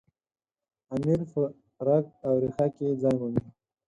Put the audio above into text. امیر په رګ او ریښه کې ځای مومي.